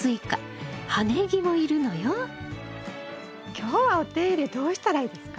今日はお手入れどうしたらいいですか？